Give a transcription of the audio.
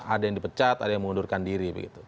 ada yang dipecat ada yang mengundurkan diri begitu